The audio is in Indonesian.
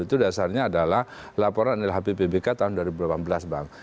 itu dasarnya adalah laporan lhp pbk tahun dua ribu delapan belas bang